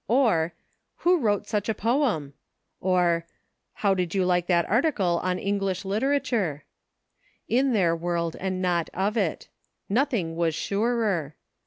" or, "Who wrote such a poem .•" or, " How did you like that article on * English Literature }'" In their world and not of it. Nothing was surer.